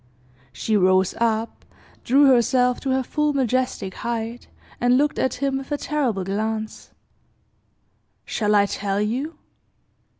She rose up, drew herself to her full majestic height, and looked at him with a terrible glance, "Shall I tell you?"